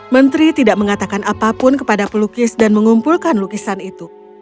menteri tidak mengatakan apapun kepada pelukis dan mengumpulkan lukisan itu